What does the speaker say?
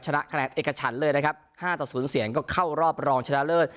ชนะคะแนนเอกฉันเลยนะครับ๕ต่อ๐เสียงก็เข้ารอบรองชนะเลิศ